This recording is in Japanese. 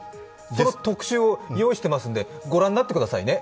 その特集を用意してますんで、ご覧になってくださいね。